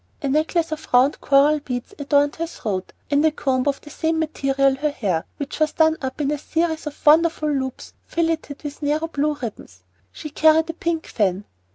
A necklace of round coral beads adorned her throat, and a comb of the same material her hair, which was done up in a series of wonderful loops filleted with narrow blue ribbons. She carried a pink fan.